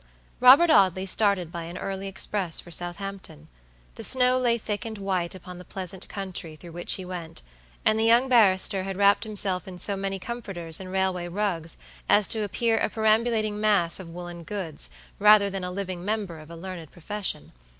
Robert Audley started by an early express for Southampton. The snow lay thick and white upon the pleasant country through which he went; and the young barrister had wrapped himself in so many comforters and railway rugs as to appear a perambulating mass of woollen goods, rather than a living member of a learned profession.